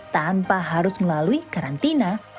tanpa harus melalui karantina